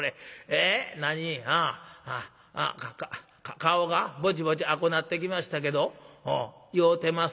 『顔がぼちぼち赤うなってきましたけど酔うてます？』。